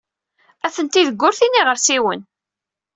Atni deg wurti n yiɣersiwen.